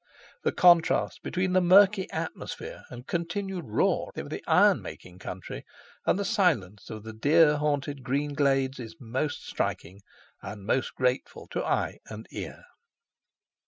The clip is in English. The contrast between the murky atmosphere and continued roar of the ironmaking country, and the silence of the deer haunted green glades is most striking, and most grateful to eye and ear.